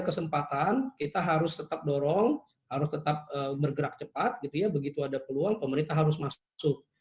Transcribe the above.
kesempatan kita harus tetap dorong harus tetap bergerak cepat gitu ya begitu ada peluang pemerintah harus masuk